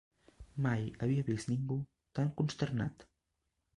Mai havia vist ningú tan consternat.